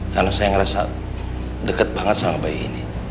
karena saya ngerasa deket banget sama bayi ini